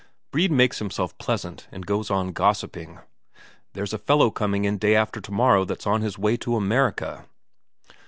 Brede makes himself pleasant, and goes on gossiping: "There's a fellow coming in day after tomorrow that's on his way to America."